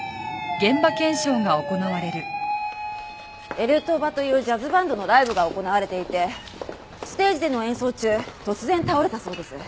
エルトバというジャズバンドのライブが行われていてステージでの演奏中突然倒れたそうです。